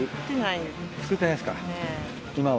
作ってないですか今は。